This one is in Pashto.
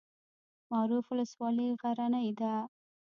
معروف ولسوالۍ غرنۍ ده؟